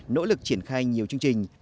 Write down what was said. nỗ lực triển khai nhiều chương trình